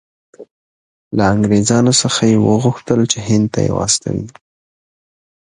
له انګریزانو څخه یې وغوښتل چې هند ته یې واستوي.